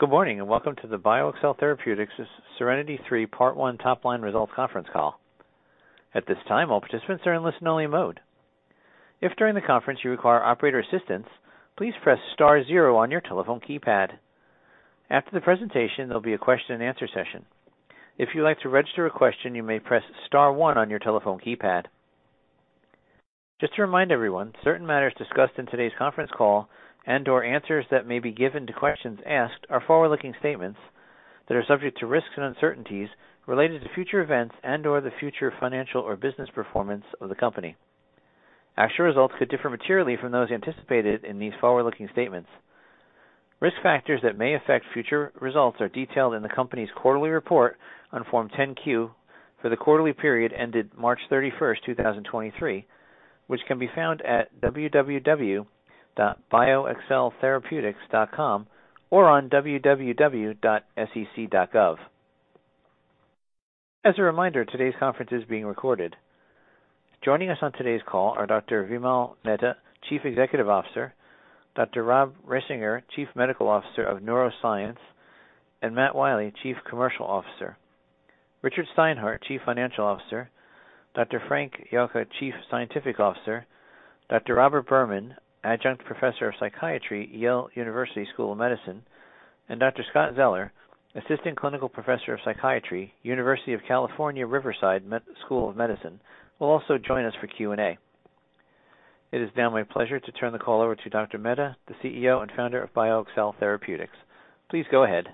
Good morning, and welcome to the BioXcel Therapeutics' SERENITY III Part One Top Line Results Conference Call. At this time, all participants are in listen-only mode. If during the conference you require operator assistance, please press star zero on your telephone keypad. After the presentation, there'll be a question and answer session. If you'd like to register a question, you may press star one on your telephone keypad. To remind everyone, certain matters discussed in today's conference call and/or answers that may be given to questions asked are forward-looking statements that are subject to risks and uncertainties related to future events and/or the future financial or business performance of the company. Actual results could differ materially from those anticipated in these forward-looking statements. Risk factors that may affect future results are detailed in the company's quarterly report on Form 10-Q for the quarterly period ended March 31st, 2023, which can be found at bioxceltherapeutics.com or on www.sec.gov. As a reminder, today's conference is being recorded. Joining us on today's call are Dr. Vimal Mehta, Chief Executive Officer, Dr. Rob Risinger, Chief Medical Officer of Neuroscience, and Matt Wiley, Chief Commercial Officer. Richard Steinhart, Chief Financial Officer, Dr. Frank Janka, Chief Scientific Officer, Dr. Robert Berman, Adjunct Professor of Psychiatry, Yale University School of Medicine, and Dr. Scott Zeller, Assistant Clinical Professor of Psychiatry, University of California, Riverside School of Medicine, will also join us for Q&A. It is now my pleasure to turn the call over to Dr. Mehta, the CEO and founder of BioXcel Therapeutics. Please go ahead.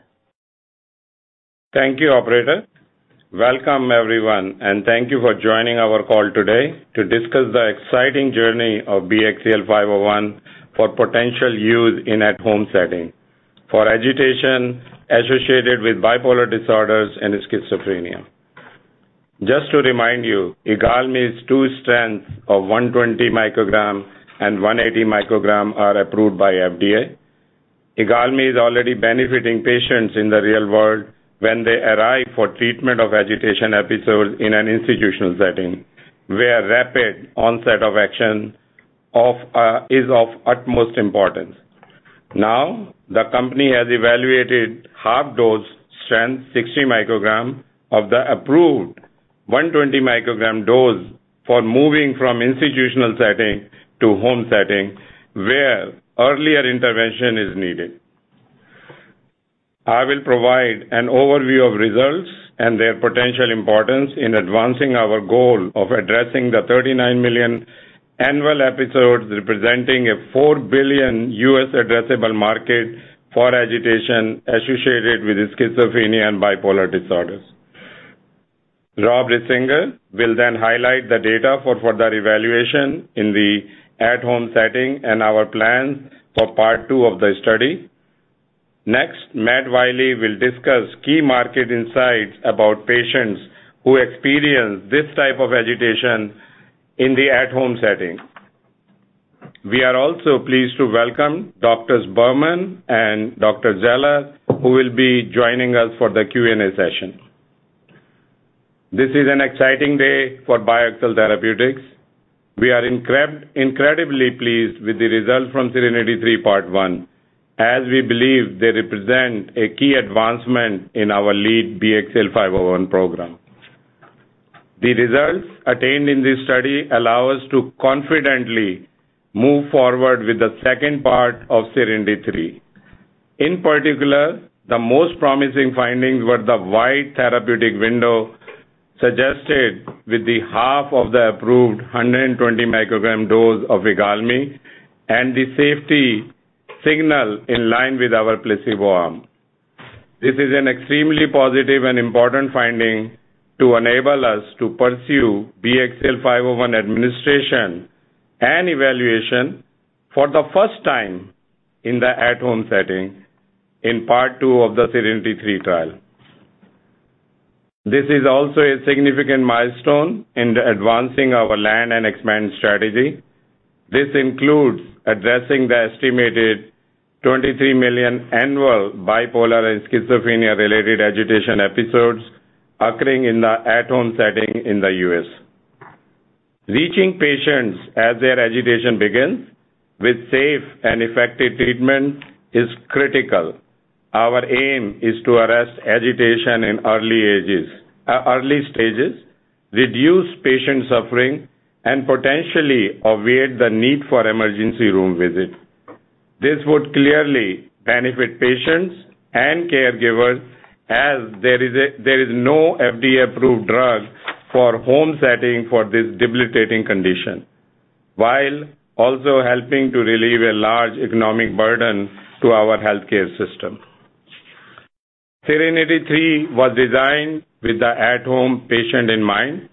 Thank you, operator. Welcome, everyone, and thank you for joining our call today to discuss the exciting journey of BXCL501 for potential use in at-home setting for agitation associated with bipolar disorders and schizophrenia. Just to remind you, IGALMI's two strengths of 120 microgram and 180 microgram are approved by FDA. IGALMI is already benefiting patients in the real world when they arrive for treatment of agitation episodes in an institutional setting, where rapid onset of action is of utmost importance. The company has evaluated half dose strength, 60 microgram, of the approved 120 microgram dose for moving from institutional setting to home setting, where earlier intervention is needed. I will provide an overview of results and their potential importance in advancing our goal of addressing the 39 million annual episodes, representing a $4 billion addressable market for agitation associated with schizophrenia and bipolar disorders. Robert Risinger will then highlight the data for further evaluation in the at-home setting and our plans for part two of the study. Next, Matt Wiley will discuss key market insights about patients who experience this type of agitation in the at-home setting. We are also pleased to welcome Dr. Robert Berman and Dr. Scott Zeller, who will be joining us for the Q&A session. This is an exciting day for BioXcel Therapeutics. We are incredibly pleased with the results from SERENITY III part one, as we believe they represent a key advancement in our lead BXCL501 program. The results attained in this study allow us to confidently move forward with the second part of SERENITY-III. In particular, the most promising findings were the wide therapeutic window suggested with the half of the approved 120 microgram dose of IGALMI and the safety signal in line with our placebo arm. This is an extremely positive and important finding to enable us to pursue BXCL501 administration and evaluation for the first time in the at-home setting in part two of the SERENITY-III trial. This is also a significant milestone in advancing our land and expand strategy. This includes addressing the estimated 23 million annual bipolar and schizophrenia-related agitation episodes occurring in the at-home setting in the U.S. Reaching patients as their agitation begins with safe and effective treatment is critical. Our aim is to arrest agitation in early stages, reduce patient suffering, and potentially obviate the need for emergency room visit. This would clearly benefit patients and caregivers as there is no FDA-approved drug for home setting for this debilitating condition, while also helping to relieve a large economic burden to our healthcare system. SERENITY III was designed with the at-home patient in mind.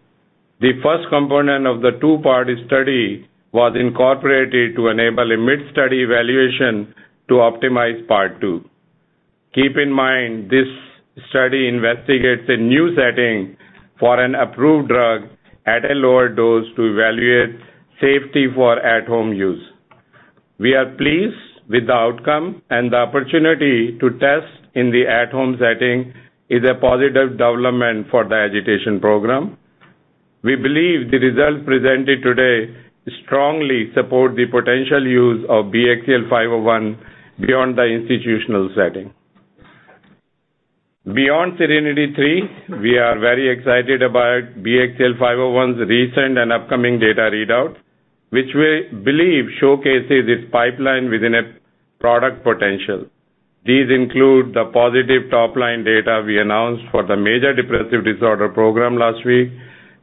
The first component of the two-part study was incorporated to enable a mid-study evaluation to optimize part two. Keep in mind, this study investigates a new setting for an approved drug at a lower dose to evaluate safety for at-home use. We are pleased with the outcome, and the opportunity to test in the at-home setting is a positive development for the agitation program. We believe the results presented today strongly support the potential use of BXCL501 beyond the institutional setting. Beyond SERENITY III, we are very excited about BXCL501's recent and upcoming data readout, which we believe showcases its pipeline within a product potential. These include the positive top-line data we announced for the major depressive disorder program last week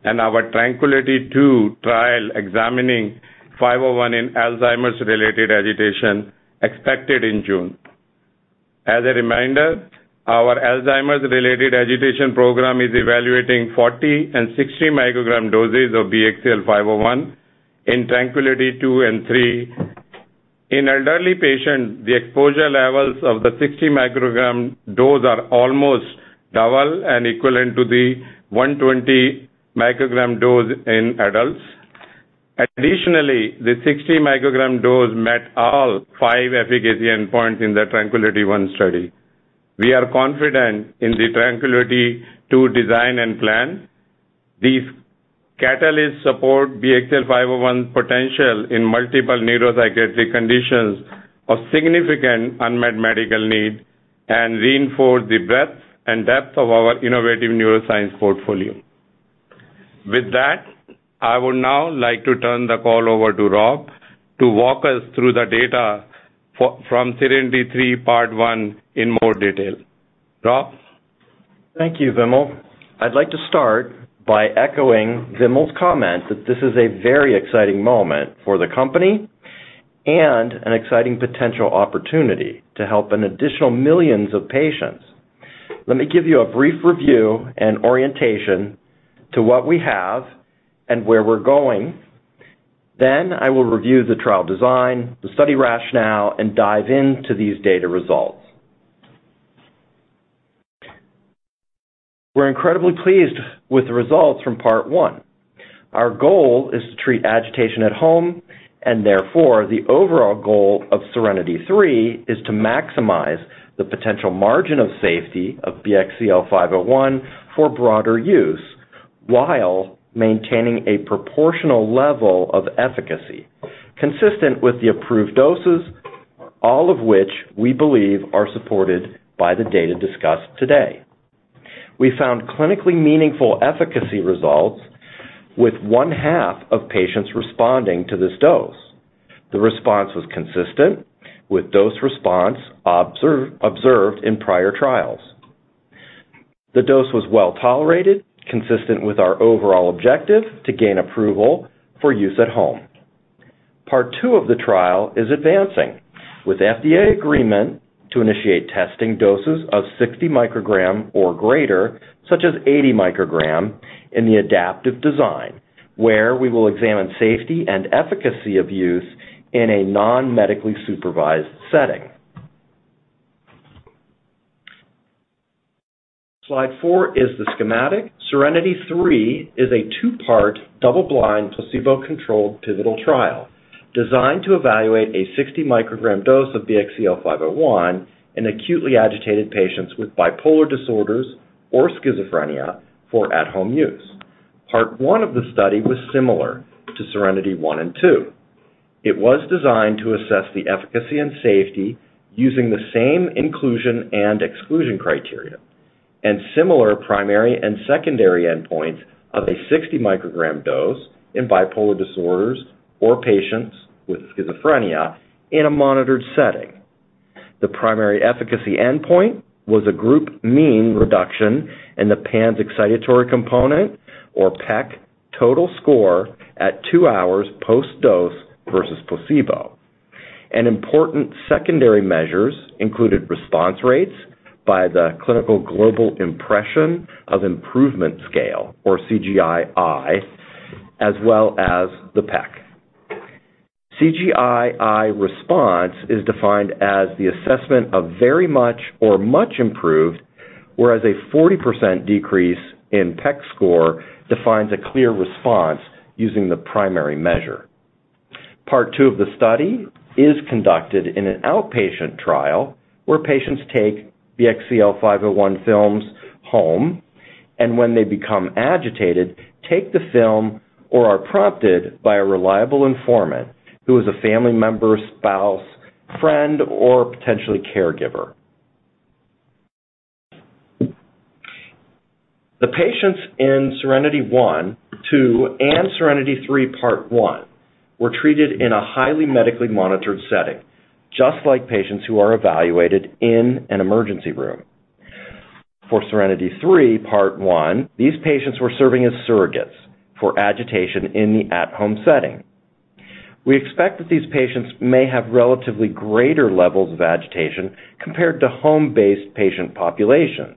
and our TRANQUILITY II trial examining 501 in Alzheimer's-related agitation expected in June. As a reminder, our Alzheimer's-related agitation program is evaluating 40 and 60 microgram doses of BXCL501 in TRANQUILITY II and III. In elderly patients, the exposure levels of the 60 microgram dose are almost double and equivalent to the 120 microgram dose in adults. Additionally, the 60 microgram dose met all five efficacy endpoints in the TRANQUILITY I study. We are confident in the TRANQUILITY II design and plan. These catalysts support BXCL501's potential in multiple neuropsychiatric conditions of significant unmet medical need and reinforce the breadth and depth of our innovative neuroscience portfolio. With that, I would now like to turn the call over to Rob to walk us through the data from SERENITY III, part one in more detail. Rob? Thank you, Vimal. I'd like to start by echoing Vimal's comment that this is a very exciting moment for the company and an exciting potential opportunity to help an additional millions of patients. Let me give you a brief review and orientation to what we have and where we're going. I will review the trial design, the study rationale, and dive into these data results. We're incredibly pleased with the results from part one. Our goal is to treat agitation at home, and therefore, the overall goal of SERENITY III is to maximize the potential margin of safety of BXCL501 for broader use, while maintaining a proportional level of efficacy consistent with the approved doses, all of which we believe are supported by the data discussed today. We found clinically meaningful efficacy results, with one-half of patients responding to this dose. The response was consistent with dose response observed in prior trials. The dose was well-tolerated, consistent with our overall objective to gain approval for use at home. Part two of the trial is advancing, with FDA agreement to initiate testing doses of 60 microgram or greater, such as 80 microgram, in the adaptive design, where we will examine safety and efficacy of use in a non-medically supervised setting. Slide four is the schematic. SERENITY III is a 2-part, double-blind, placebo-controlled pivotal trial designed to evaluate a 60 microgram dose of BXCL 501 in acutely agitated patients with bipolar disorder or schizophrenia for at-home use. Part one of the study was similar to SERENITY I and II. It was designed to assess the efficacy and safety using the same inclusion and exclusion criteria, and similar primary and secondary endpoints of a 60 microgram dose in bipolar disorders or patients with schizophrenia in a monitored setting. The primary efficacy endpoint was a group mean reduction in the PANSS excitatory component, or PEC, total score at two hours post-dose versus placebo. Important secondary measures included response rates by the Clinical Global Impression of Improvement scale, or CGI-I, as well as the PEC. CGI-I response is defined as the assessment of very much or much improved, whereas a 40% decrease in PEC score defines a clear response using the primary measure. Part two of the study is conducted in an outpatient trial, where patients take BXCL501 films home, when they become agitated, take the film or are prompted by a reliable informant who is a family member, spouse, friend, or potentially caregiver. The patients in SERENITY I, II, and SERENITY III, part one, were treated in a highly medically monitored setting, just like patients who are evaluated in an emergency room. SERENITY III, part one, these patients were serving as surrogates for agitation in the at-home setting. We expect that these patients may have relatively greater levels of agitation compared to home-based patient populations.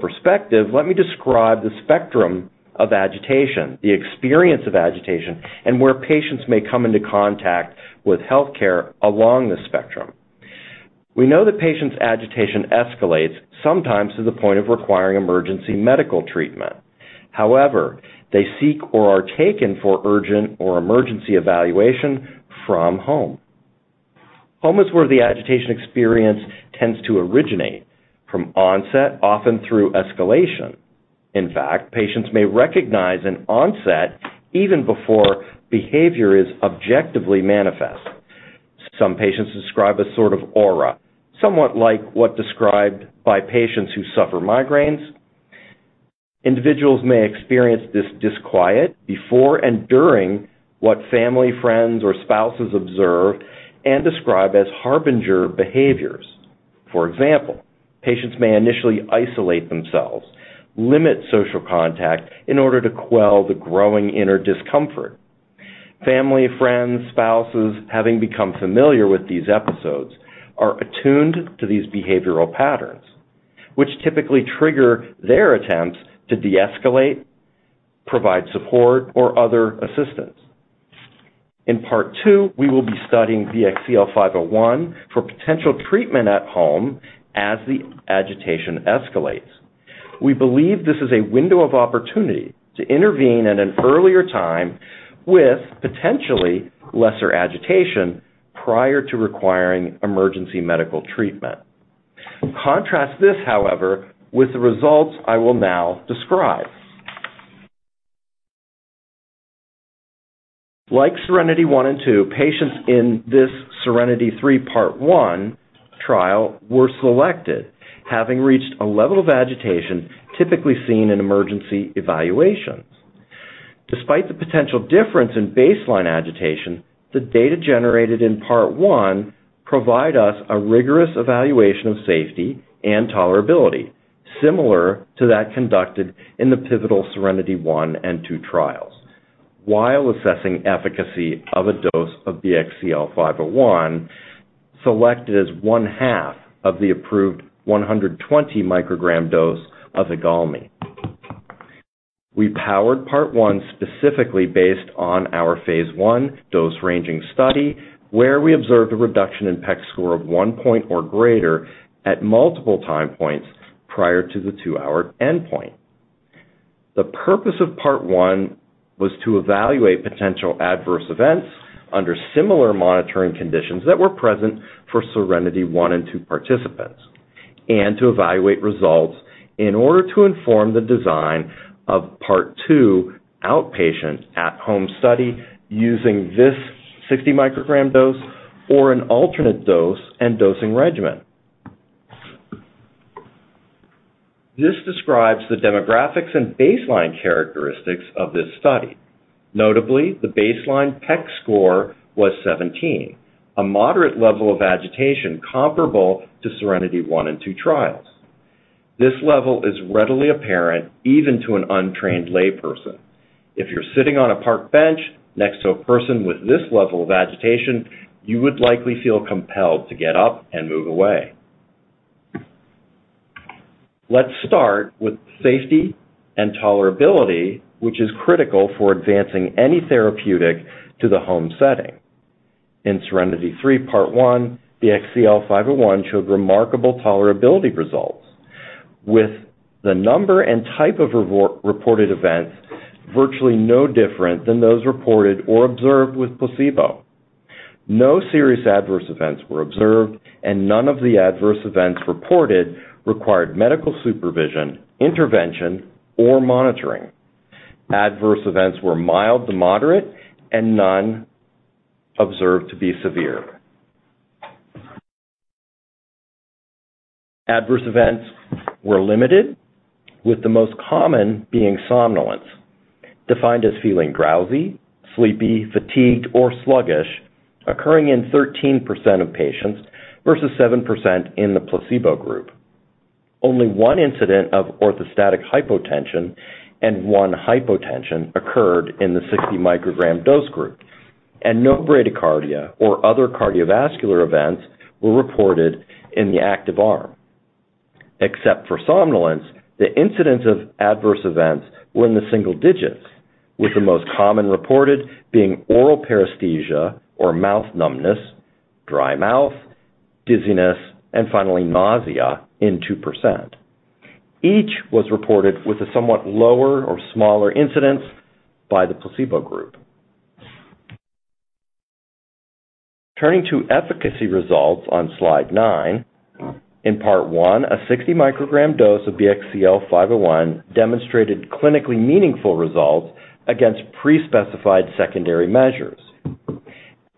Perspective, let me describe the spectrum of agitation, the experience of agitation, and where patients may come into contact with healthcare along the spectrum. We know that patients' agitation escalates, sometimes to the point of requiring emergency medical treatment. However, they seek or are taken for urgent or emergency evaluation from home. Home is where the agitation experience tends to originate from onset, often through escalation. In fact, patients may recognize an onset even before behavior is objectively manifest. Some patients describe a sort of aura, somewhat like what described by patients who suffer migraines. Individuals may experience this disquiet before and during what family, friends, or spouses observe and describe as harbinger behaviors. For example, patients may initially isolate themselves, limit social contact in order to quell the growing inner discomfort. Family, friends, spouses, having become familiar with these episodes, are attuned to these behavioral patterns, which typically trigger their attempts to de-escalate, provide support or other assistance. In part two, we will be studying BXCL501 for potential treatment at home as the agitation escalates. We believe this is a window of opportunity to intervene at an earlier time with potentially lesser agitation prior to requiring emergency medical treatment. Contrast this, however, with the results I will now describe. Like SERENITY I and II, patients in this SERENITY III part one trial were selected, having reached a level of agitation typically seen in emergency evaluations. Despite the potential difference in baseline agitation, the data generated in part one provide us a rigorous evaluation of safety and tolerability, similar to that conducted in the pivotal SERENITY I and II trials. While assessing efficacy of a dose of BXCL501, selected as one half of the approved 120 microgram dose of IGALMI. We powered part one specifically based on our phase I dose-ranging study, where we observed a reduction in PEC score of one point or greater at multiple time points prior to the 2-hour endpoint. The purpose of part one was to evaluate potential adverse events under similar monitoring conditions that were present for SERENITY I and II participants, and to evaluate results in order to inform the design of part two outpatient at home study using this 60 microgram dose or an alternate dose and dosing regimen. This describes the demographics and baseline characteristics of this study. Notably, the baseline PANSS-EC score was 17, a moderate level of agitation comparable to SERENITY I and II trials. This level is readily apparent even to an untrained layperson. If you're sitting on a park bench next to a person with this level of agitation, you would likely feel compelled to get up and move away. Let's start with safety and tolerability, which is critical for advancing any therapeutic to the home setting. In SERENITY-III, part one, BXCL501 showed remarkable tolerability results, with the number and type of reported events virtually no different than those reported or observed with placebo. No serious adverse events were observed, and none of the adverse events reported required medical supervision, intervention, or monitoring. Adverse events were mild to moderate and none observed to be severe. Adverse events were limited, with the most common being somnolence, defined as feeling drowsy, sleepy, fatigued, or sluggish, occurring in 13% of patients versus 7% in the placebo group. Only one incident of orthostatic hypotension and one hypotension occurred in the 60 microgram dose group, and no bradycardia or other cardiovascular events were reported in the active arm. Except for somnolence, the incidence of adverse events were in the single digits, with the most common reported being oral paresthesia or mouth numbness, dry mouth, dizziness, and finally, nausea in 2%. Each was reported with a somewhat lower or smaller incidence by the placebo group. Turning to efficacy results on slide nine. In part one, a 60 microgram dose of BXCL501 demonstrated clinically meaningful results against pre-specified secondary measures.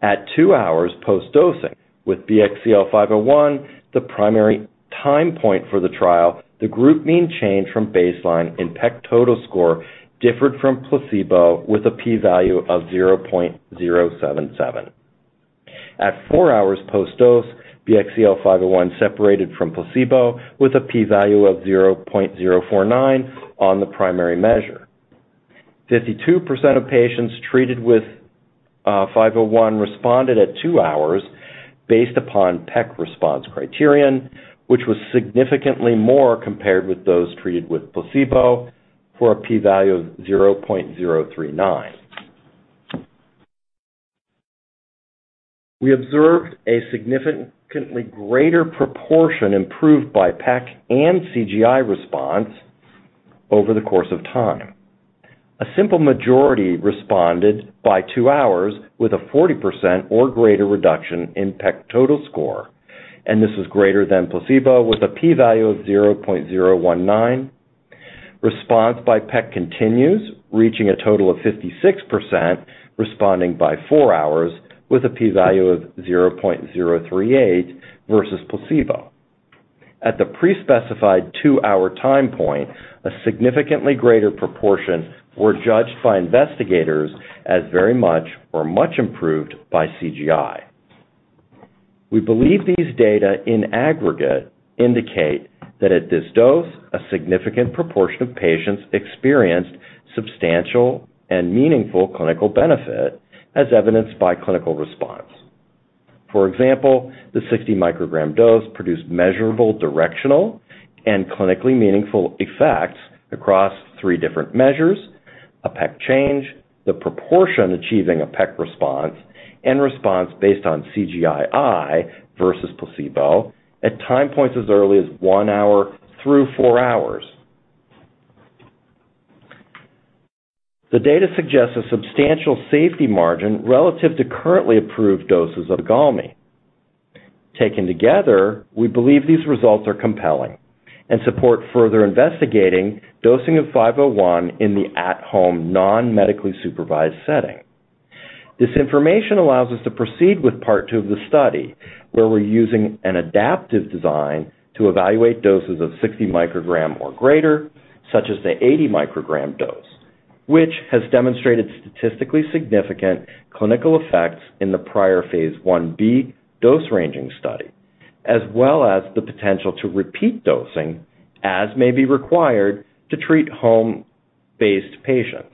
At two hours post-dosing with BXCL501, the primary time point for the trial, the group mean change from baseline in PEC total score differed from placebo with a p-value of 0.077. At four hours post-dose, BXCL501 separated from placebo with a p-value of 0.049 on the primary measure. 52% of patients treated with 501 responded at two hours based upon PEC response criterion, which was significantly more compared with those treated with placebo for a p-value of 0.039. We observed a significantly greater proportion improved by PEC and CGI response over the course of time. A simple majority responded by two hours with a 40% or greater reduction in PEC total score. This is greater than placebo with a p-value of 0.019. Response by PEC continues, reaching a total of 56%, responding by four hours with a p-value of 0.038 versus placebo. At the pre-specified 2-hour time point, a significantly greater proportion were judged by investigators as very much or much improved by CGI. We believe these data in aggregate indicate that at this dose, a significant proportion of patients experienced substantial and meaningful clinical benefit, as evidenced by clinical response. For example, the 60 microgram dose produced measurable, directional and clinically meaningful effects across three different measures: a PEC change, the proportion achieving a PEC response, and response based on CGI-I versus placebo at time points as early as one hour through four hours. The data suggests a substantial safety margin relative to currently approved doses of IGALMI. Taken together, we believe these results are compelling and support further investigating dosing of BXCL501 in the at-home, non-medically supervised setting. This information allows us to proceed with part two of the study, where we're using an adaptive design to evaluate doses of 60 microgram or greater, such as the 80 microgram dose, which has demonstrated statistically significant clinical effects in the prior phase I-B dose ranging study, as well as the potential to repeat dosing as may be required to treat home-based patients.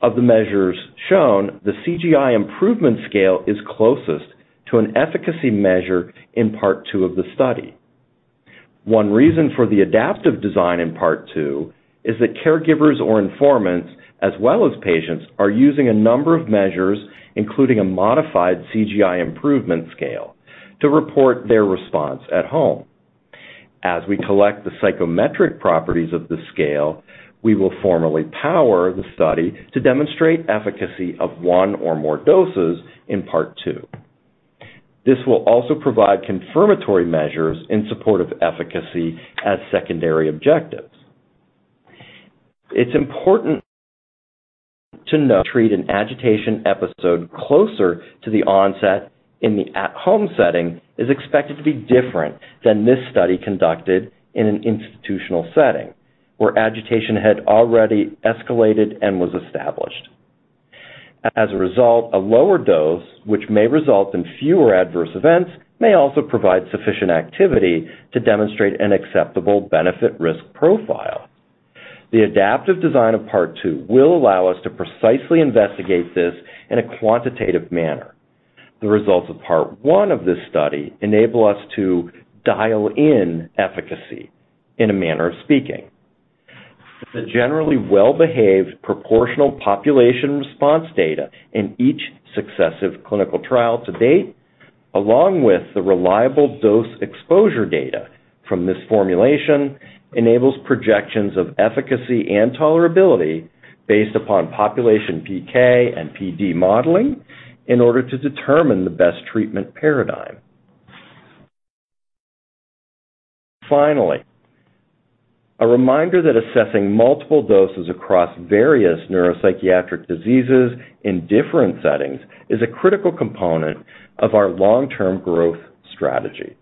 Of the measures shown, the CGI improvement scale is closest to an efficacy measure in part two of the study. One reason for the adaptive design in part two is that caregivers or informants, as well as patients, are using a number of measures, including a modified CGI improvement scale, to report their response at home. As we collect the psychometric properties of the scale, we will formally power the study to demonstrate efficacy of one or more doses in part two. This will also provide confirmatory measures in support of efficacy as secondary objectives. It's important to note, treat an agitation episode closer to the onset in the at-home setting is expected to be different than this study conducted in an institutional setting, where agitation had already escalated and was established. As a result, a lower dose, which may result in fewer adverse events, may also provide sufficient activity to demonstrate an acceptable benefit-risk profile. The adaptive design of part two will allow us to precisely investigate this in a quantitative manner. The results of part one of this study enable us to dial in efficacy in a manner of speaking. The generally well-behaved, proportional population response data in each successive clinical trial to date, along with the reliable dose exposure data from this formulation, enables projections of efficacy and tolerability based upon population PK and PD modeling in order to determine the best treatment paradigm. Finally, a reminder that assessing multiple doses across various neuropsychiatric diseases in different settings is a critical component of our long-term growth strategy.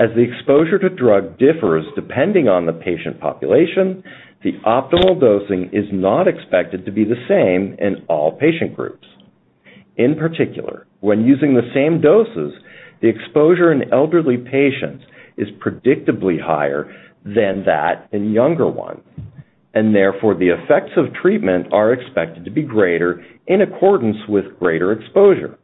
As the exposure to drug differs depending on the patient population, the optimal dosing is not expected to be the same in all patient groups. In particular, when using the same doses, the exposure in elderly patients is predictably higher than that in younger ones, and therefore, the effects of treatment are expected to be greater in accordance with greater exposure.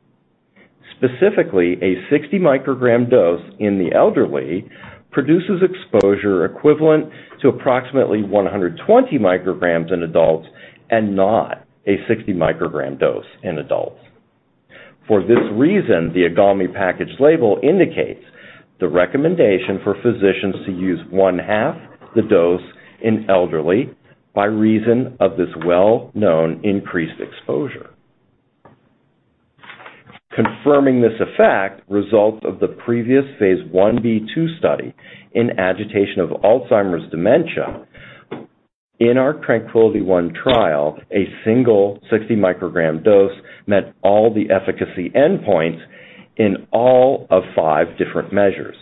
Specifically, a 60 microgram dose in the elderly produces exposure equivalent to approximately 120 micrograms in adults and not a 60 microgram dose in adults. For this reason, the IGALMI package label indicates the recommendation for physicians to use one half the dose in elderly by reason of this well-known increased exposure. Confirming this effect, results of the previous phase I-B two study in agitation of Alzheimer's dementia. In our TRANQUILITY I trial, a single 60 microgram dose met all the efficacy endpoints in all of five different measures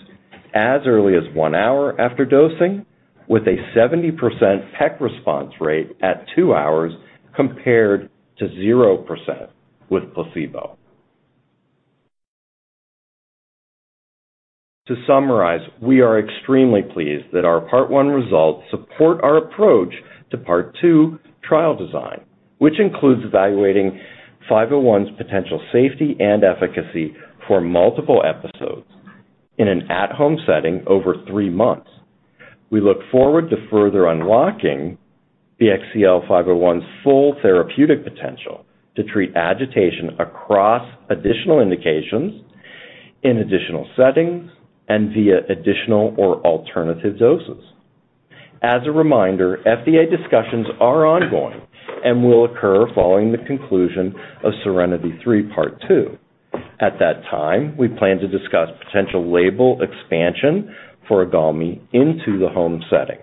as early as one hour after dosing, with a 70% PEC response rate at two hours, compared to 0% with placebo. To summarize, we are extremely pleased that our part one results support our approach to part two trial design, which includes evaluating BXCL501's potential safety and efficacy for multiple episodes in an at-home setting over three months. We look forward to further unlocking BXCL501's full therapeutic potential to treat agitation in additional settings and via additional or alternative doses. As a reminder, FDA discussions are ongoing and will occur following the conclusion of SERENITY III, part two. At that time, we plan to discuss potential label expansion for IGALMI into the home setting.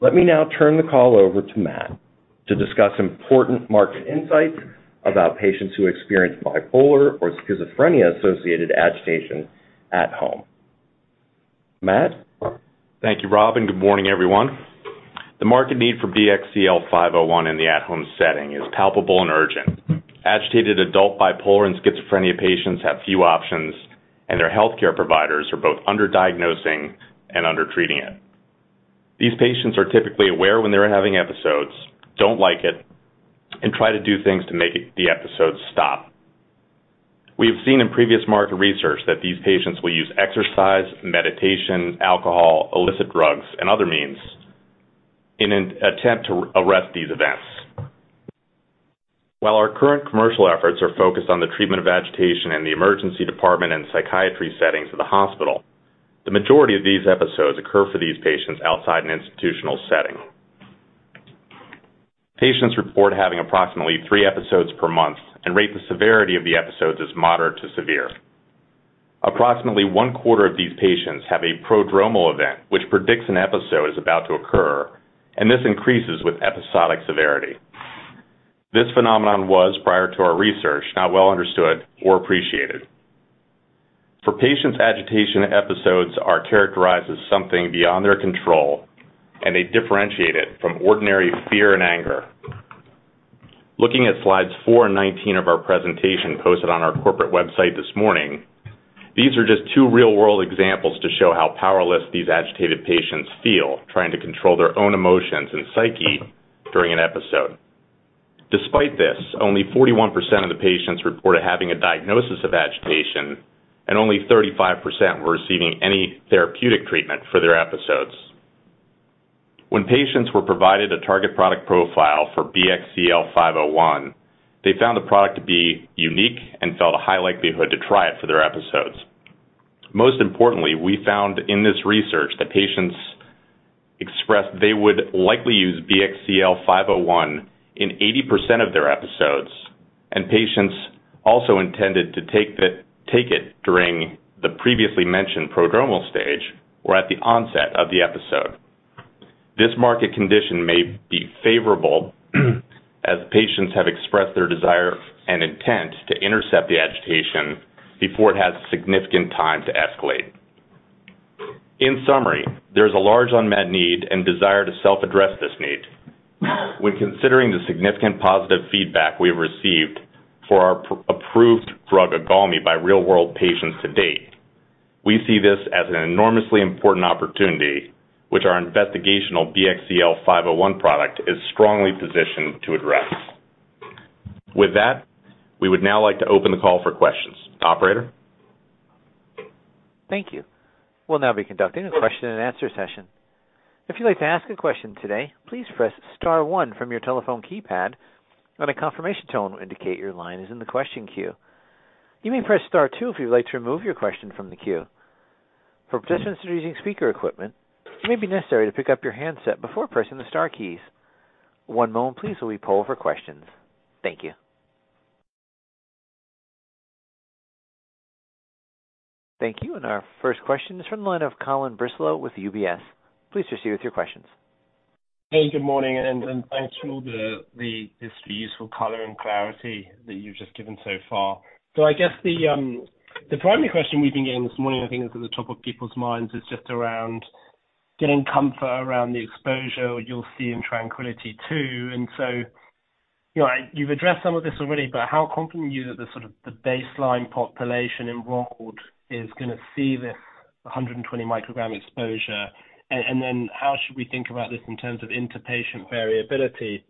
Let me now turn the call over to Matt to discuss important market insights about patients who experience bipolar or schizophrenia-associated agitation at home. Matt? Thank you, Rob. Good morning, everyone. The market need for BXCL501 in the at-home setting is palpable and urgent. Agitated adult bipolar and schizophrenia patients have few options, and their healthcare providers are both under-diagnosing and under-treating it. These patients are typically aware when they're having episodes, don't like it, and try to do things to make the episodes stop. We have seen in previous market research that these patients will use exercise, meditation, alcohol, illicit drugs, and other means in an attempt to arrest these events. While our current commercial efforts are focused on the treatment of agitation in the emergency department and psychiatry settings of the hospital, the majority of these episodes occur for these patients outside an institutional setting. Patients report having approximately three episodes per month and rate the severity of the episodes as moderate to severe. Approximately one-quarter of these patients have a prodromal event, which predicts an episode is about to occur, and this increases with episodic severity. This phenomenon was, prior to our research, not well understood or appreciated. For patients, agitation episodes are characterized as something beyond their control, and they differentiate it from ordinary fear and anger. Looking at slides four and 19 of our presentation posted on our corporate website this morning, these are just two real-world examples to show how powerless these agitated patients feel trying to control their own emotions and psyche during an episode. Despite this, only 41% of the patients reported having a diagnosis of agitation, and only 35% were receiving any therapeutic treatment for their episodes. When patients were provided a target product profile for BXCL501, they found the product to be unique and felt a high likelihood to try it for their episodes. Most importantly, we found in this research that patients expressed they would likely use BXCL501 in 80% of their episodes. Patients also intended to take it during the previously mentioned prodromal stage or at the onset of the episode. This market condition may be favorable as patients have expressed their desire and intent to intercept the agitation before it has significant time to escalate. In summary, there is a large unmet need and desire to self-address this need. When considering the significant positive feedback we have received for our approved drug, IGALMI, by real-world patients to date, we see this as an enormously important opportunity, which our investigational BXCL501 product is strongly positioned to address. With that, we would now like to open the call for questions. Operator? Thank you. We'll now be conducting a question and answer session. If you'd like to ask a question today, please press star one from your telephone keypad, and a confirmation tone will indicate your line is in the question queue. You may press star two if you'd like to remove your question from the queue. For participants who are using speaker equipment, it may be necessary to pick up your handset before pressing the star keys. One moment please, while we poll for questions. Thank you. Thank you. Our first question is from the line of Colin Bristow with UBS. Please proceed with your questions. Hey, good morning, and thanks for all the this useful color and clarity that you've just given so far. I guess the primary question we've been getting this morning, I think is at the top of people's minds, is just around getting comfort around the exposure you'll see in TRANQUILITY II. You know, you've addressed some of this already, but how confident are you that the sort of the baseline population enrolled is going to see this 120 microgram exposure? Then how should we think about this in terms of interpatient variability?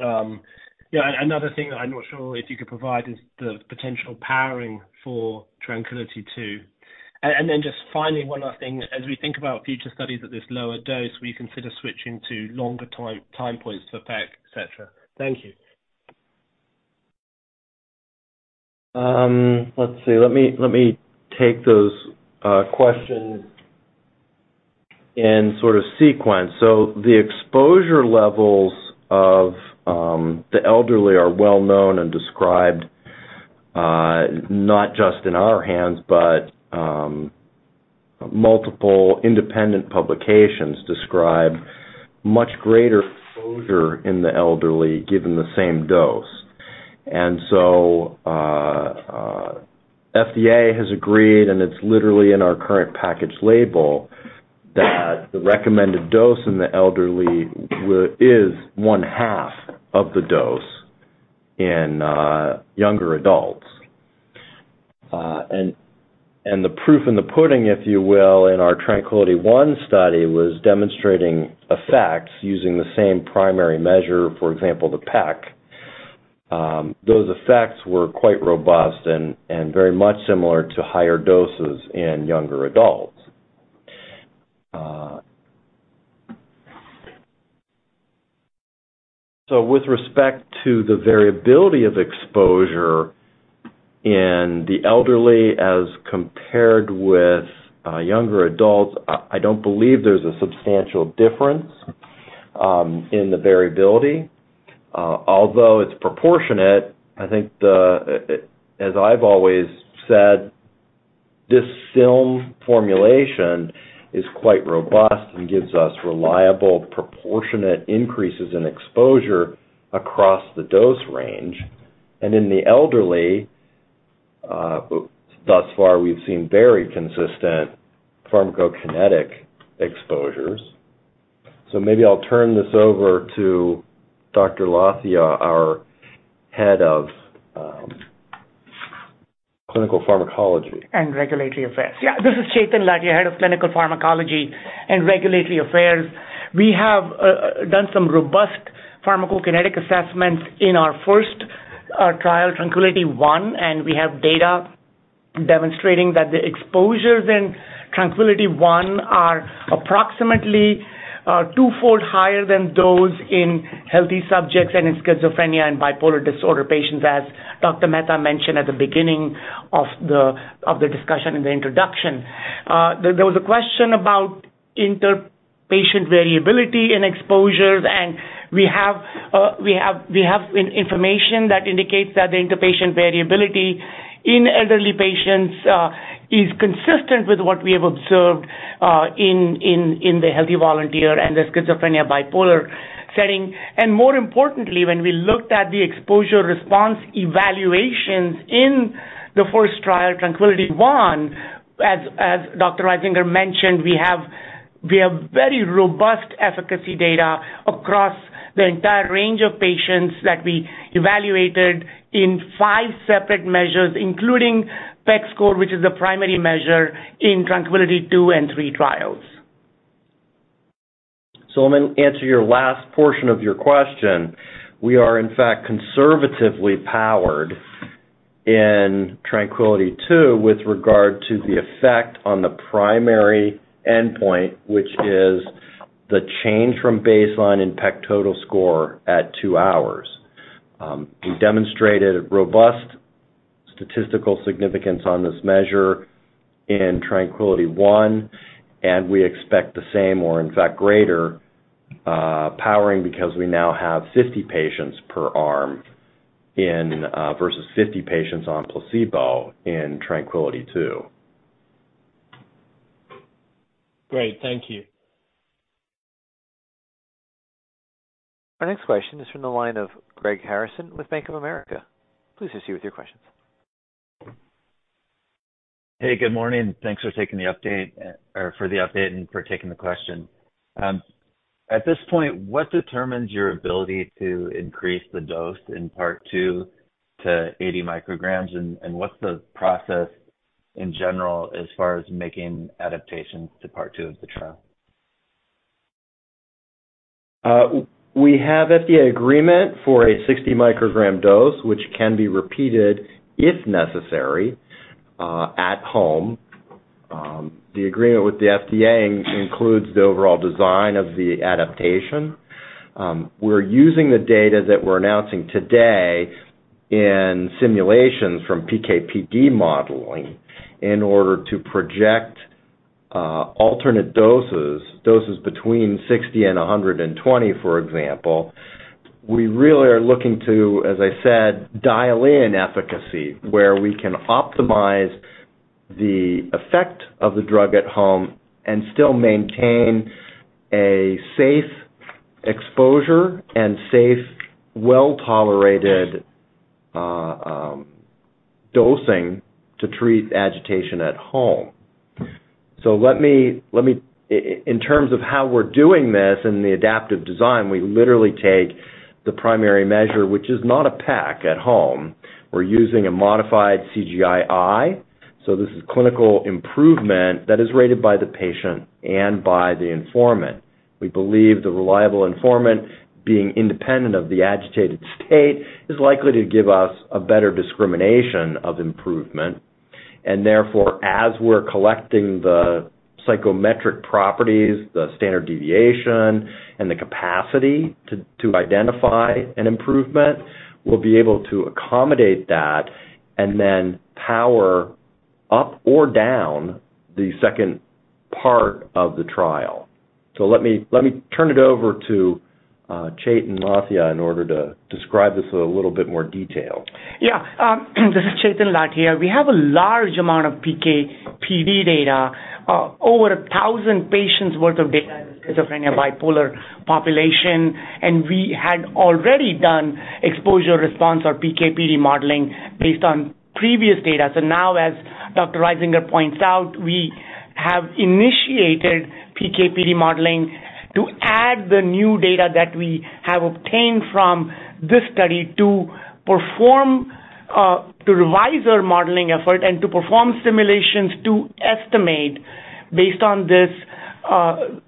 Yeah, another thing that I'm not sure if you could provide is the potential powering for TRANQUILITY II. Just finally, one last thing, as we think about future studies at this lower dose, we consider switching to longer time points for PEC, et cetera. Thank you. Let's see. Let me take those questions in sort of sequence. The exposure levels of the elderly are well known and described, not just in our hands, but multiple independent publications describe much greater exposure in the elderly, given the same dose. FDA has agreed, and it's literally in our current package label, that the recommended dose in the elderly is one half of the dose in younger adults. And the proof in the pudding, if you will, in our TRANQUILITY I study, was demonstrating effects using the same primary measure, for example, the PEC. Those effects were quite robust and very much similar to higher doses in younger adults. With respect to the variability of exposure in the elderly as compared with younger adults, I don't believe there's a substantial difference in the variability. Although it's proportionate, I think the, as I've always said, this film formulation is quite robust and gives us reliable, proportionate increases in exposure across the dose range. In the elderly, thus far, we've seen very consistent pharmacokinetic exposures. Maybe I'll turn this over to Dr. Lathia, our Head of Clinical Pharmacology. Regulatory Affairs. Yeah, this is Chetan Lathia, Head of Clinical Pharmacology and Regulatory Affairs. We have done some robust pharmacokinetic assessments in our first trial, TRANQUILITY I, and we have data demonstrating that the exposures in TRANQUILITY I are approximately 2-fold higher than those in healthy subjects and in schizophrenia and bipolar disorder patients, as Dr. Mehta mentioned at the beginning of the discussion in the introduction. There was a question about interpatient variability in exposures, and we have information that indicates that the interpatient variability in elderly patients is consistent with what we have observed in the healthy volunteer and the schizophrenia bipolar setting. More importantly, when we looked at the exposure response evaluations in the first trial, TRANQUILITY I, as Dr. Risinger mentioned, we have very robust efficacy data across the entire range of patients that we evaluated in five separate measures, including PEC score, which is the primary measure in TRANQUILITY II and TRANQUILITY III trials. Let me answer your last portion of your question. We are, in fact, conservatively powered in TRANQUILITY II with regard to the effect on the primary endpoint, which is the change from baseline in PEC total score at two hours. We demonstrated robust statistical significance on this measure in TRANQUILITY I, and we expect the same or in fact greater powering because we now have 50 patients per arm versus 50 patients on placebo in TRANQUILITY II. Great, thank you. Our next question is from the line of Greg Harrison with Bank of America. Please assist you with your questions. Hey, good morning. Thanks for taking the update, or for the update and for taking the question. At this point, what determines your ability to increase the dose in part two to 80 micrograms? What's the process in general as far as making adaptations to part two of the trial? We have FDA agreement for a 60 microgram dose, which can be repeated, if necessary, at home. The agreement with the FDA includes the overall design of the adaptation. We're using the data that we're announcing today in simulations from PK/PD modeling in order to project, alternate doses between 60 and 120, for example. We really are looking to, as I said, dial in efficacy, where we can optimize the effect of the drug at home and still maintain a safe exposure and safe, well-tolerated, dosing to treat agitation at home. In terms of how we're doing this in the adaptive design, we literally take the primary measure, which is not a PEC at home. We're using a modified CGI-I. This is clinical improvement that is rated by the patient and by the informant. We believe the reliable informant, being independent of the agitated state, is likely to give us a better discrimination of improvement. Therefore, as we're collecting the psychometric properties, the standard deviation, and the capacity to identify an improvement, we'll be able to accommodate that and then power up or down the second part of the trial. Let me turn it over to Chetan Lathia in order to describe this in a little bit more detail. This is Chetan Lathia. We have a large amount of PK/PD data, over 1,000 patients worth of data in schizophrenia, bipolar population, and we had already done exposure response or PK/PD modeling based on previous data. As Dr. Risinger points out, we have initiated PK/PD modeling to add the new data that we have obtained from this study to perform, to revise our modeling effort and to perform simulations to estimate, based on this,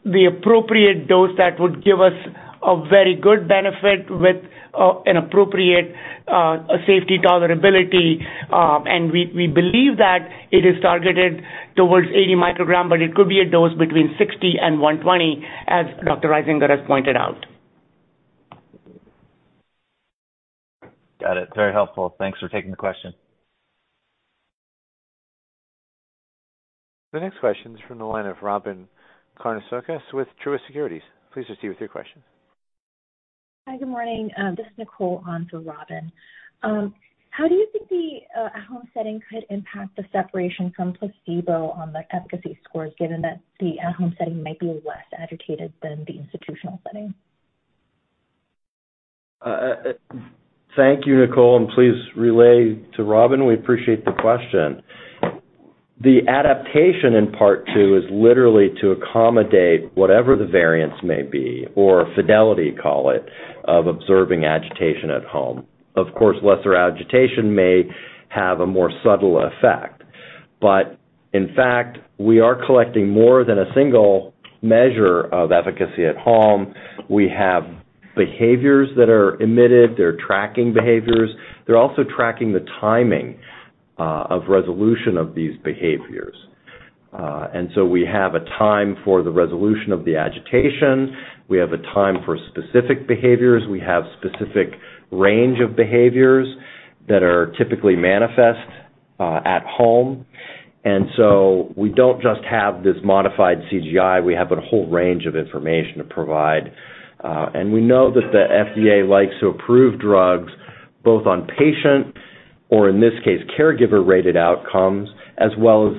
the appropriate dose that would give us a very good benefit with an appropriate safety tolerability. We believe that it is targeted towards 80 microgram, but it could be a dose between 60 and 120, as Dr. Risinger has pointed out. Very helpful. Thanks for taking the question. The next question is from the line of Robyn Karnauskas with Truist Securities. Please proceed with your question. Hi, good morning. This is Nicole onto Robyn. How do you think the at-home setting could impact the separation from placebo on the efficacy scores, given that the at-home setting might be less agitated than the institutional setting? Thank you, Nicole. Please relay to Robyn. We appreciate the question. The adaptation in part two is literally to accommodate whatever the variance may be, or fidelity, call it, of observing agitation at home. Lesser agitation may have a more subtle effect. In fact, we are collecting more than a single measure of efficacy at home. We have behaviors that are emitted. They're tracking behaviors. They're also tracking the timing of resolution of these behaviors. We have a time for the resolution of the agitation. We have a time for specific behaviors. We have specific range of behaviors that are typically manifest at home. We don't just have this modified CGI, we have a whole range of information to provide. We know that the FDA likes to approve drugs both on patient, or in this case, caregiver-rated outcomes, as well as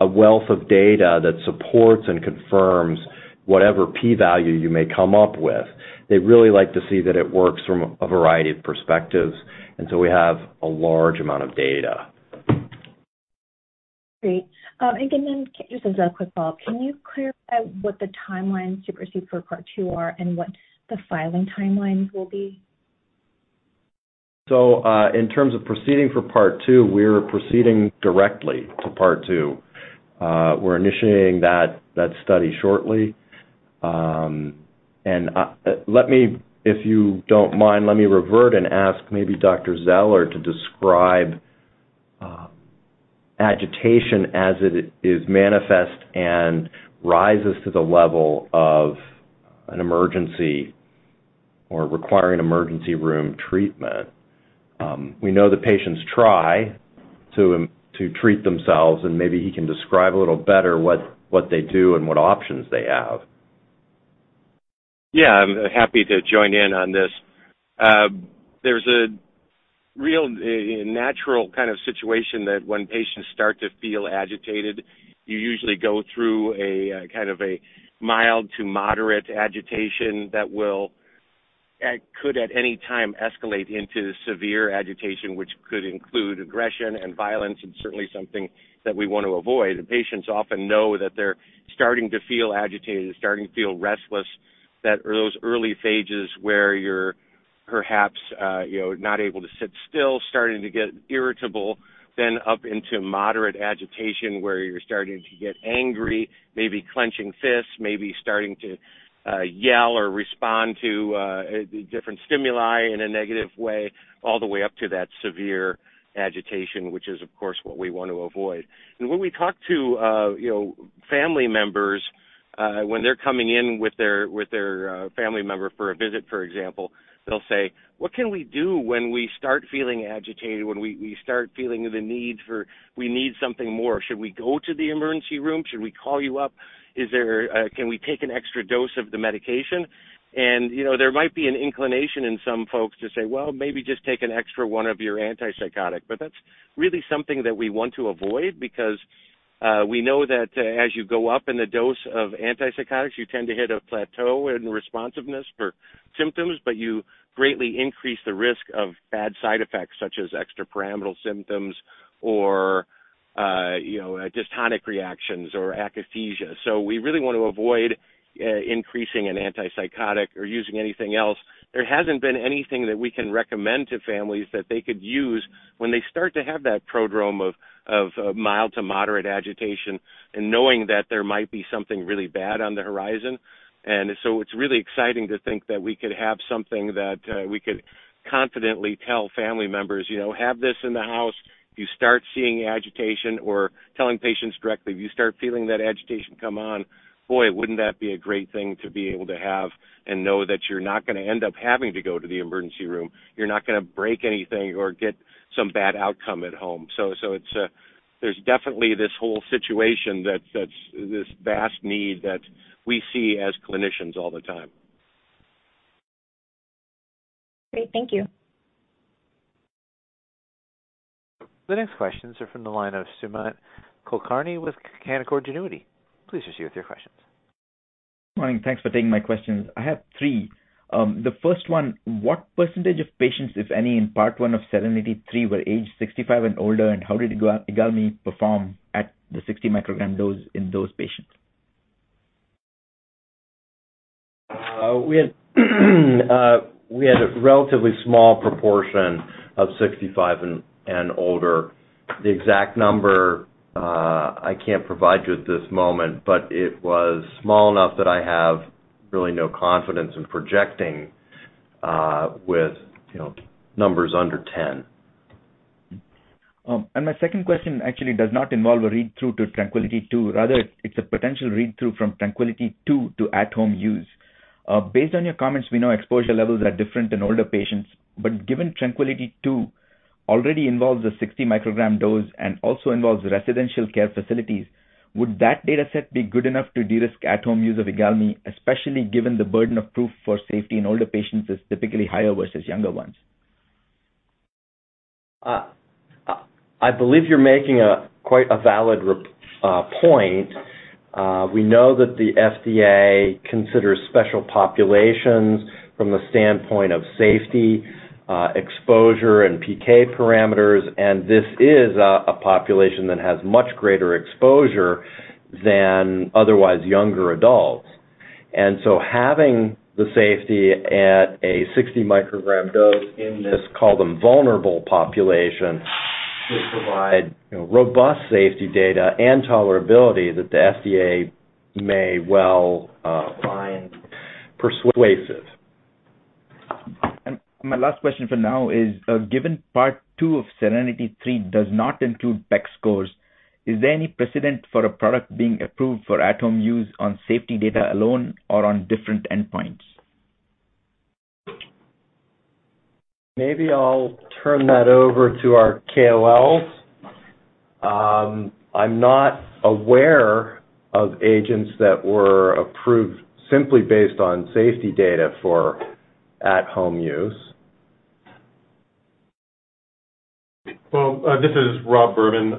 a wealth of data that supports and confirms whatever p-value you may come up with. They really like to see that it works from a variety of perspectives, and so we have a large amount of data. Great. Just a quick follow-up. Can you clarify what the timelines to proceed for part two are and what the filing timelines will be? In terms of proceeding for part two, we are proceeding directly to part two. We're initiating that study shortly. If you don't mind, let me revert and ask maybe Dr. Zeller to describe agitation as it is manifest and rises to the level of an emergency or requiring emergency room treatment. We know the patients try to treat themselves, and maybe he can describe a little better what they do and what options they have. Yeah, I'm happy to join in on this. There's a real, natural kind of situation that when patients start to feel agitated, you usually go through a kind of a mild to moderate agitation that will, could at any time escalate into severe agitation, which could include aggression and violence. Certainly something that we want to avoid. The patients often know that they're starting to feel agitated, starting to feel restless, that are those early stages where you're perhaps, you know, not able to sit still, starting to get irritable, then up into moderate agitation, where you're starting to get angry, maybe clenching fists, maybe starting to yell or respond to different stimuli in a negative way, all the way up to that severe agitation, which is, of course, what we want to avoid. When we talk to, you know, family members, when they're coming in with their family member for a visit, for example, they'll say, "What can we do when we start feeling agitated, when we start feeling the need for... We need something more? Should we go to the emergency room? Should we call you up? Is there, can we take an extra dose of the medication? You know, there might be an inclination in some folks to say, "Well, maybe just take an extra one of your antipsychotic." That's really something that we want to avoid because, we know that, as you go up in the dose of antipsychotics, you tend to hit a plateau in responsiveness for symptoms, but you greatly increase the risk of bad side effects, such as extrapyramidal symptoms or, you know, dystonic reactions or akathisia. We really want to avoid, increasing an antipsychotic or using anything else. There hasn't been anything that we can recommend to families that they could use when they start to have that prodrome of mild to moderate agitation and knowing that there might be something really bad on the horizon. It's really exciting to think that we could have something that we could confidently tell family members, "You know, have this in the house. You start seeing agitation," or telling patients directly, "If you start feeling that agitation come on," boy, wouldn't that be a great thing to be able to have and know that you're not gonna end up having to go to the emergency room. You're not gonna break anything or get some bad outcome at home. There's definitely this whole situation that's this vast need that we see as clinicians all the time. Great. Thank you. The next questions are from the line of Sumant Kulkarni with Canaccord Genuity. Please proceed with your questions. Morning. Thanks for taking my questions. I have three. The first one, what percentage of patients, if any, in Part one of SERE-III, were aged 65 and older, and how did IGALMI perform at the 60 microgram dose in those patients? We had a relatively small proportion of 65 and older. The exact number, I can't provide you at this moment, but it was small enough that I have really no confidence in projecting, with, you know, numbers under 10. My second question actually does not involve a read-through to TRANQUILITY II; rather, it's a potential read-through from TRANQUILITY II to at-home use. Based on your comments, we know exposure levels are different in older patients, but given TRANQUILITY II already involves a 60 microgram dose and also involves residential care facilities, would that data set be good enough to de-risk at-home use of IGALMI, especially given the burden of proof for safety in older patients is typically higher versus younger ones? I believe you're making a quite a valid point. We know that the FDA considers special populations from the standpoint of safety, exposure, and PK parameters, and this is a population that has much greater exposure than otherwise younger adults. Having the safety at a 60 microgram dose in this, call them vulnerable population, should provide, you know, robust safety data and tolerability that the FDA may well find persuasive. My last question for now is, given part two of SERENITY III does not include PEC scores, is there any precedent for a product being approved for at-home use on safety data alone or on different endpoints? Maybe I'll turn that over to our KOLs. I'm not aware of agents that were approved simply based on safety data for at-home use. This is Rob Berman,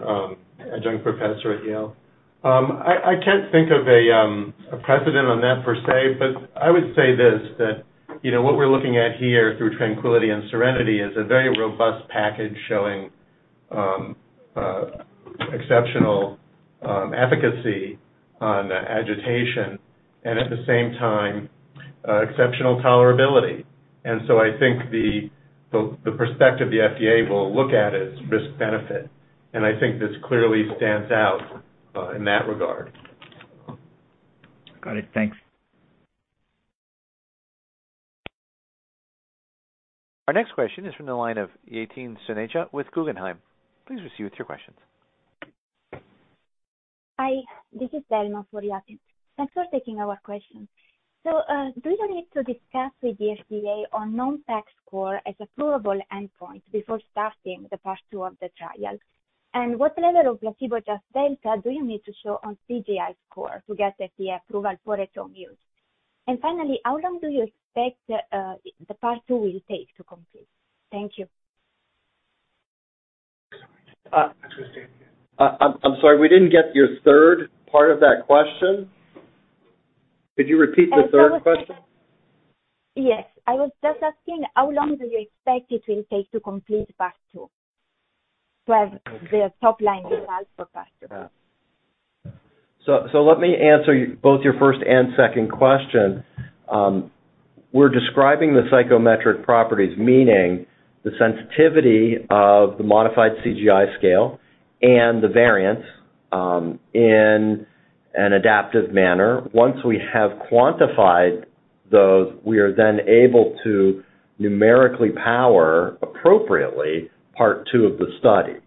adjunct professor at Yale. I can't think of a precedent on that per se, but I would say this, that you know, what we're looking at here through TRANQUILITY and SERENITY is a very robust package showing exceptional efficacy on agitation and at the same time, exceptional tolerability. I think the perspective the FDA will look at is risk-benefit, and I think this clearly stands out in that regard. Got it. Thanks. Our next question is from the line of Yatin Suneja with Guggenheim. Please proceed with your questions. Hi, this is Delma for Yatin. Thanks for taking our question. Do you need to discuss with the FDA on known PEC score as approvable endpoint before starting the part two of the trial? What level of placebo just delta do you need to show on CGI score to get the FDA approval for at-home use? Finally, how long do you expect the part two will take to complete? Thank you. I'm sorry, we didn't get your third part of that question. Could you repeat the third question? Yes, I was just asking, how long do you expect it will take to complete part two, to have the top line results for part two? Let me answer both your first and second question. We're describing the psychometric properties, meaning the sensitivity of the modified CGI-I scale and the variance in an adaptive manner. Once we have quantified those, we are then able to numerically power appropriately part two of the study.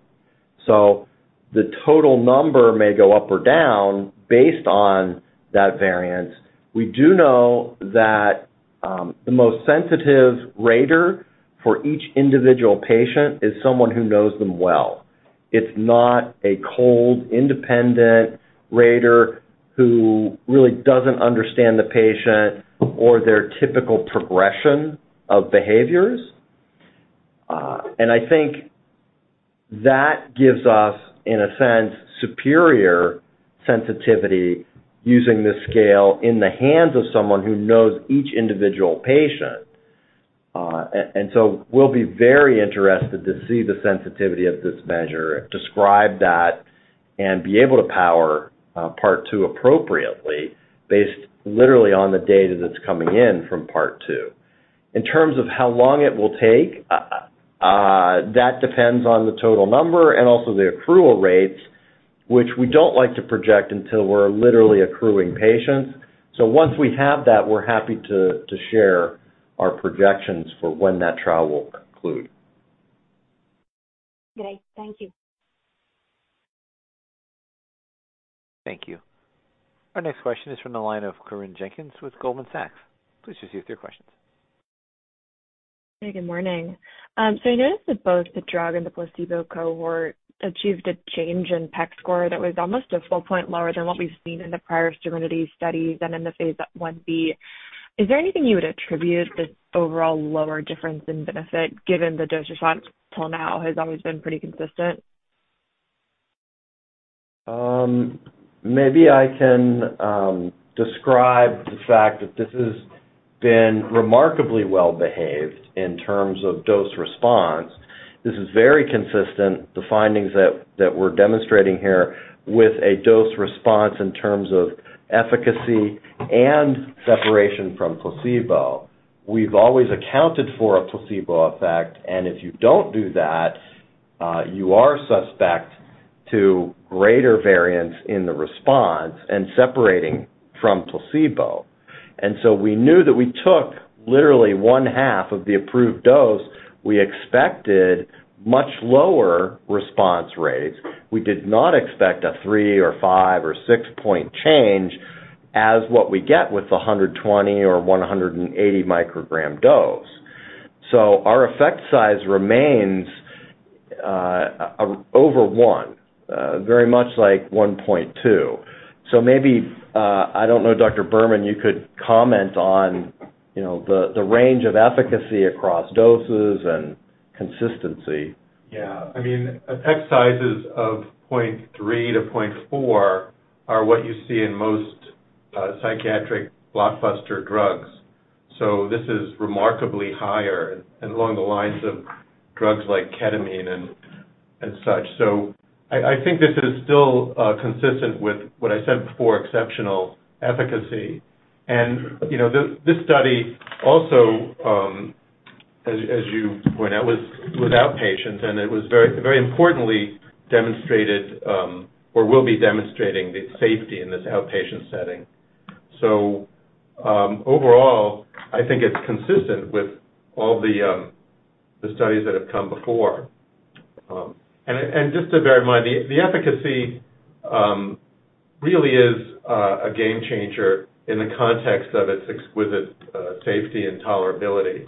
The total number may go up or down based on that variance. We do know that the most sensitive rater for each individual patient is someone who knows them well. It's not a cold, independent rater who really doesn't understand the patient or their typical progression of behaviors. I think that gives us, in a sense, superior sensitivity using this scale in the hands of someone who knows each individual patient. We'll be very interested to see the sensitivity of this measure, describe that, and be able to power, part two appropriately based literally on the data that's coming in from part two. In terms of how long it will take, that depends on the total number and also the accrual rates, which we don't like to project until we're literally accruing patients. Once we have that, we're happy to share our projections for when that trial will conclude. Great. Thank you. Thank you. Our next question is from the line of Corinne Jenkins with Goldman Sachs. Please proceed with your questions. Good morning. I noticed that both the drug and the placebo cohort achieved a change in PEC score that was almost a full point lower than what we've seen in the prior SERENITY studies and in the phase I-B. Is there anything you would attribute this overall lower difference in benefit, given the dose response till now has always been pretty consistent? Maybe I can describe the fact that this has been remarkably well-behaved in terms of dose response. This is very consistent, the findings that we're demonstrating here with a dose response in terms of efficacy and separation from placebo. We've always accounted for a placebo effect, and if you don't do that, you are suspect to greater variance in the response and separating from placebo. We knew that we took literally one half of the approved dose. We expected much lower response rates. We did not expect a three or five or six-point change as what we get with the 120 or 180 microgram dose. Our effect size remains over one, very much like 1.2. Maybe, I don't know, Dr.Berman, you could comment on, you know, the range of efficacy across doses and consistency. Yeah. I mean, effect sizes of 0.3 to 0.4 are what you see in most psychiatric blockbuster drugs. This is remarkably higher and along the lines of drugs like ketamine and such. I think this is still consistent with what I said before, exceptional efficacy. You know, this study also, as you point out, was without patients, and it was very importantly demonstrated or will be demonstrating the safety in this outpatient setting. Overall, I think it's consistent with all the studies that have come before. Just to bear in mind, the efficacy really is a game changer in the context of its exquisite safety and tolerability.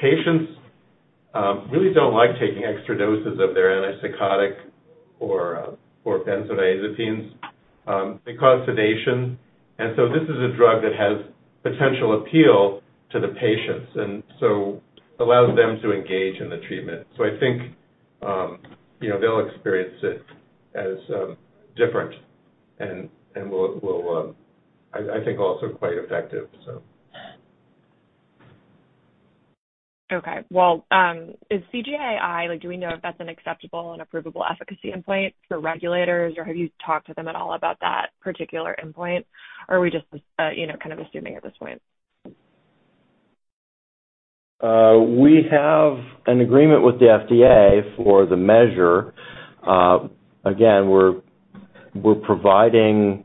Patients really don't like taking extra doses of their antipsychotic or benzodiazepines. They cause sedation. This is a drug that has potential appeal to the patients, and so allows them to engage in the treatment. I think, you know, they'll experience it as different and will, I think, also quite effective, so. Okay. Well, is CGI-I, like, do we know if that's an acceptable and approvable efficacy endpoint for regulators, or have you talked to them at all about that particular endpoint? Or are we just, you know, kind of assuming at this point? We have an agreement with the FDA for the measure. Again, we're providing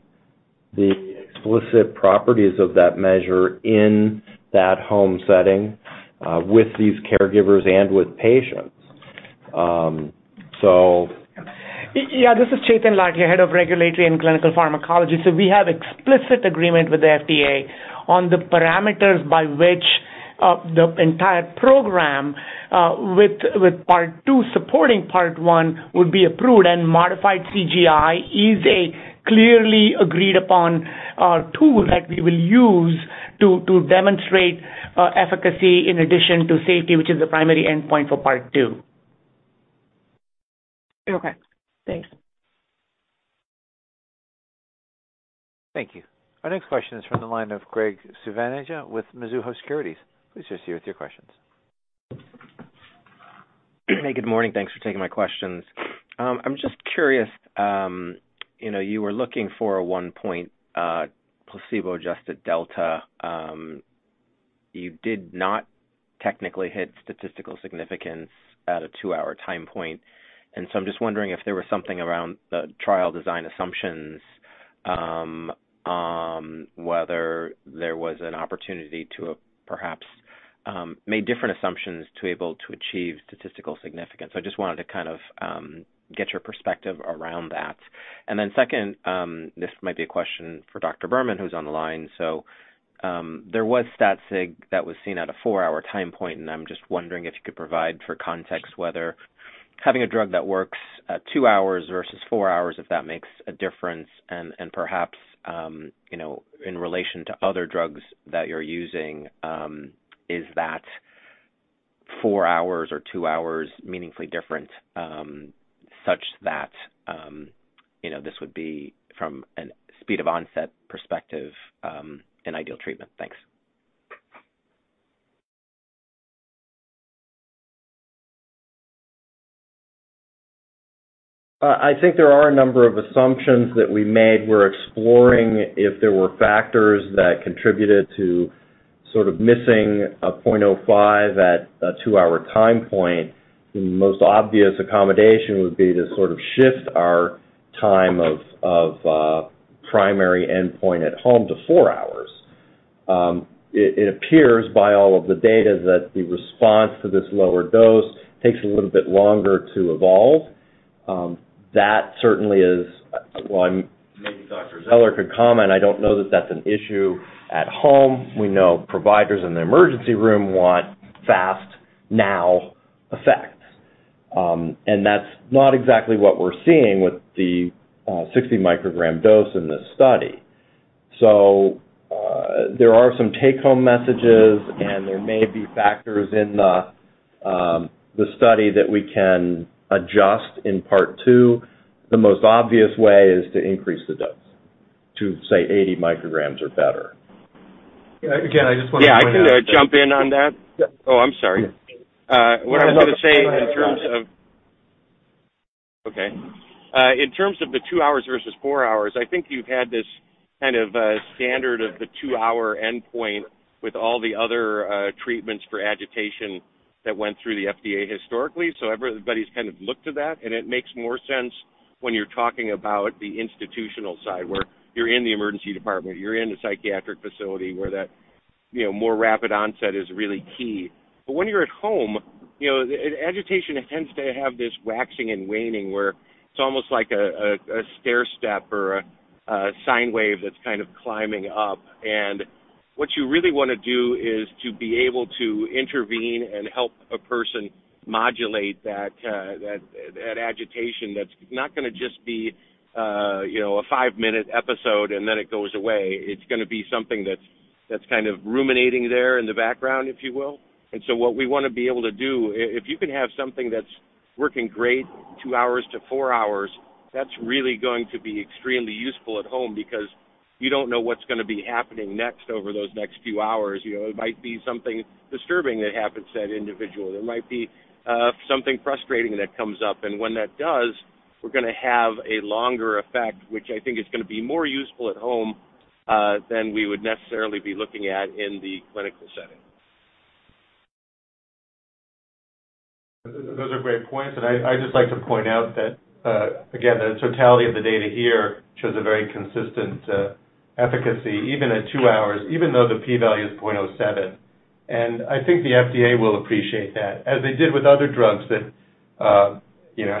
the explicit properties of that measure in that home setting, with these caregivers and with patients. Yeah, this is Chetan Lathia, Head of Regulatory and Clinical Pharmacology. We have explicit agreement with the FDA on the parameters by which the entire program, with part two supporting part one, would be approved. Modified CGI-I is a clearly agreed upon tool that we will use to demonstrate efficacy in addition to safety, which is the primary endpoint for part two. Okay, thanks. Thank you. Our next question is from the line of Graig Suvannavejh with Mizuho Securities. Please just hear with your questions. Good morning. Thanks for taking my questions. I'm just curious, you know, you were looking for a one point placebo-adjusted delta. You did not technically hit statistical significance at a 2-hour time point, I'm just wondering if there was something around the trial design assumptions, whether there was an opportunity to perhaps make different assumptions to be able to achieve statistical significance. I just wanted to kind of get your perspective around that. Second, this might be a question for Dr. Berman, who's on the line. There was stat sig that was seen at a 4-hour time point, and I'm just wondering if you could provide, for context, whether having a drug that works hour hours versus four hours, if that makes a difference. Perhaps, you know, in relation to other drugs that you're using, is that four hours or two hours meaningfully different, such that, you know, this would be, from a speed-of-onset perspective, an ideal treatment? Thanks. I think there are a number of assumptions that we made. We're exploring if there were factors that contributed to sort of missing a 0.05 at a 2-hour time point. The most obvious accommodation would be to sort of shift our time of primary endpoint at home to four hours. It appears, by all of the data, that the response to this lower dose takes a little bit longer to evolve. That certainly is... Well, maybe Dr. Zeller could comment. I don't know that that's an issue at home. We know providers in the emergency room want fast, now effects, and that's not exactly what we're seeing with the 60 microgram dose in this study. There are some take-home messages, and there may be factors in the study that we can adjust in part two. The most obvious way is to increase the dose to, say, 80 micrograms or better. Again, I just want to- Yeah, I can jump in on that. Oh, I'm sorry. Yeah. What I was about to say in terms of... Okay. In terms of the two hours versus four hours, I think you've had this kind of standard of the 2-hour endpoint with all the other treatments for agitation that went through the FDA historically. Everybody's kind of looked to that, and it makes more sense when you're talking about the institutional side, where you're in the emergency department, you're in the psychiatric facility, where that, you know, more rapid onset is really key. When you're at home, you know, agitation tends to have this waxing and waning, where it's almost like a stairstep or a sine wave that's kind of climbing up. What you really wanna do is to be able to intervene and help a person modulate that agitation, that's not gonna just be, you know, a five-minute episode, and then it goes away. It's gonna be something that's kind of ruminating there in the background, if you will. What we wanna be able to do, if you can have something that's working great two hours to four hours, that's really going to be extremely useful at home because you don't know what's gonna be happening next over those next few hours. You know, it might be something disturbing that happens to that individual. There might be something frustrating that comes up, and when that does, we're gonna have a longer effect, which I think is gonna be more useful at home than we would necessarily be looking at in the clinical setting. Those are great points. I'd just like to point out that, again, the totality of the data here shows a very consistent efficacy, even at two hours, even though the P value is 0.07. I think the FDA will appreciate that, as they did with other drugs that, you know,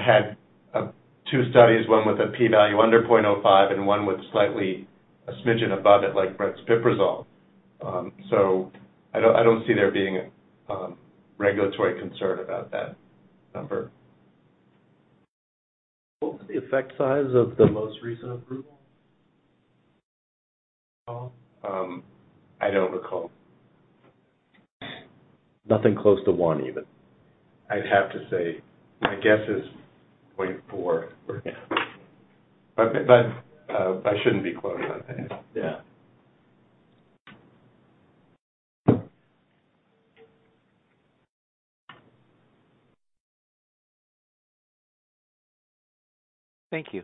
had two studies, one with a P value under 0.05 and one with slightly a smidgen above it, like brexpiprazole. I don't see there being regulatory concern about that number. What was the effect size of the most recent approval? I don't recall. Nothing close to one, even? I'd have to say, my guess is 0.4. Yeah. I shouldn't be quoted on that. Yeah. Thank you.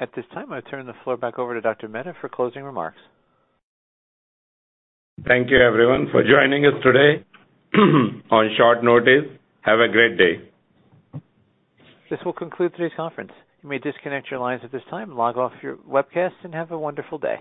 At this time, I turn the floor back over to Dr. Mehta for closing remarks. Thank you, everyone, for joining us today on short notice. Have a great day. This will conclude today's conference. You may disconnect your lines at this time, log off your webcast, and have a wonderful day.